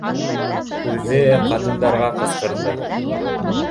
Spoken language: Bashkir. Үҙе ҡатындарға ҡысҡырҙы: